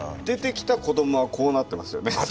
出てきた子どもはこうなってますよね。